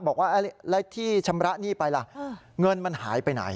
บอกว่าแล้วที่ชำระหนี้ไปล่ะเงินมันหายไปไหน